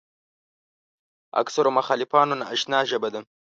اکثرو مخالفانو ناآشنا ژبه ده.